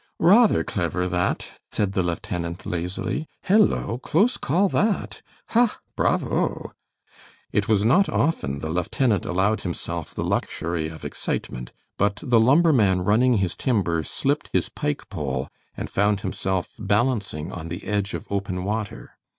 "Rather clever, that," said the lieutenant, lazily. "Hello! close call, that; ha! bravo!" It was not often the lieutenant allowed himself the luxury of excitement, but the lumberman running his timber slipped his pike pole and found himself balancing on the edge of open water.